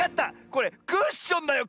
これクッションだよ